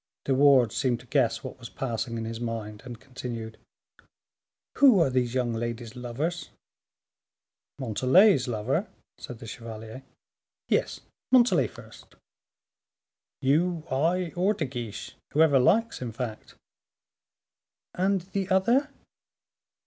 De Wardes seemed to guess what was passing in his mind, and continued: "Who are these young ladies' lovers?" "Montalais's lover?" said the chevalier. "Yes, Montalais first." "You, I, or De Guiche, whoever likes, in fact." "And the other?"